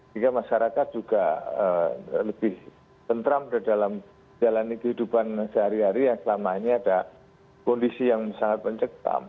jika masyarakat juga lebih sentram dalam kehidupan sehari hari yang selama ini ada kondisi yang sangat mencegah